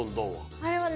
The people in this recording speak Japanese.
あれはね。